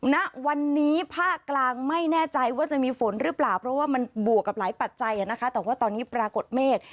ณวันนี้ภาคกลางไม่แน่ใจว่าจะมีฝนหรือเปล่าเพราะว่ามันบวกกับหลายปัจจัยนะคะแต่ว่าตอนนี้ปรากฏเมฆ